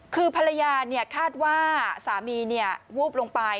คือภรรยาคาดว่าสามีวูบลงไป